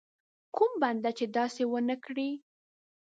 کوم بنده چې داسې ونه کړي.